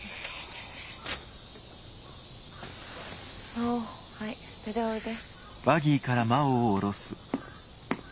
真央はい出ておいで。